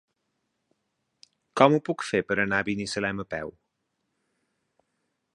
Com ho puc fer per anar a Binissalem a peu?